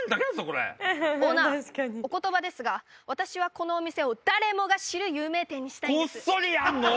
これオーナーお言葉ですが私はこのお店を誰もが知る有名店にしたいんですこっそりやんの！